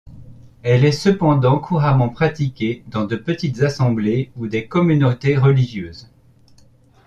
Elle est cependant couramment pratiquée dans de petites assemblées ou des communautés religieuses.